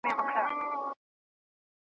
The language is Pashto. په هغه نامه په دار یو ګوندي راسي .